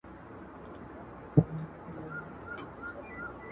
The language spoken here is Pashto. لكه گلاب چي سمال ووهي ويده سمه زه.